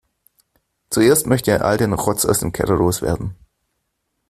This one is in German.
Zuerst möchte er all den Rotz aus dem Keller loswerden.